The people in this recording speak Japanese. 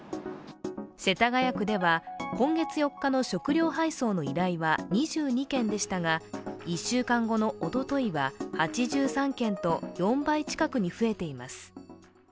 世田谷区では、今月４日の食料配送の依頼は２２件でしたが、１週間後のおとといは８３件と４倍近くに増えています。